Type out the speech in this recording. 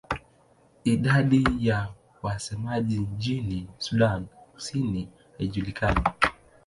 Idadi ya wasemaji nchini Sudan Kusini haijulikani.